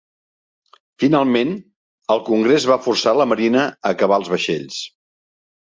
Finalment, el Congrés va forçar la Marina a acabar els vaixells.